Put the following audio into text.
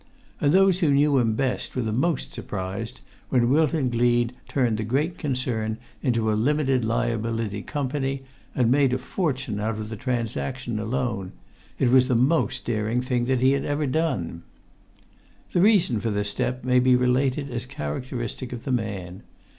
And those who knew him best were the most surprised when Wilton Gleed turned the great concern into a limited liability company, and made a fortune out of the transaction alone; it was the most daring thing that he had ever done. The reason for the step may be related as characteristic of the man.